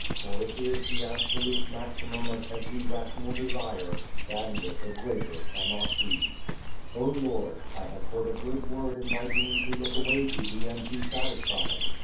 For it is the absolute maximum of every rational desire, than which a greater cannot be." _O Lord, I have heard a good word inviting me to look away to Thee and be satisfied.